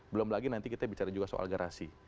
belum lagi nanti kita bicara juga soal garasi